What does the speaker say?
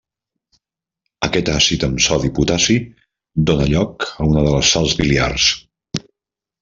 Aquest àcid amb sodi i potassi dóna lloc a una de les sals biliars.